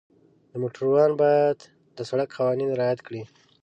د موټروان باید د سړک قوانین رعایت کړي.